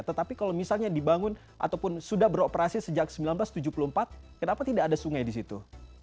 tetapi kalau misalnya dibangun ataupun sudah beroperasi sejak seribu sembilan ratus tujuh puluh empat kenapa tidak ada sungai di situ